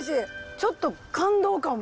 ちょっと感動かも。